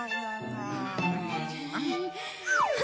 うん？